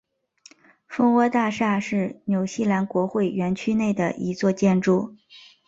蜂窝大厦是纽西兰国会园区内的一座建筑。